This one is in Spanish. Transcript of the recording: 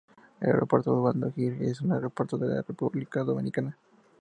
El Aeropuerto Osvaldo Virgil es un aeropuerto de la República Dominicana.